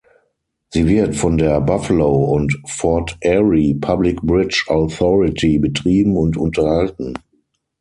Sie wird von der Buffalo and Fort Erie Public Bridge Authority betrieben und unterhalten.